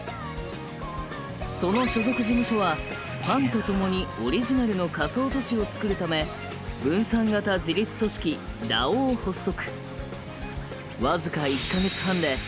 その所属事務所はファンと共にオリジナルの仮想都市を作るため分散型自律組織ＤＡＯを発足。